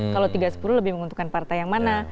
kalau tiga sepuluh lebih menguntungkan partai yang mana